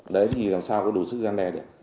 đấy thì làm sao có đủ sức gian đe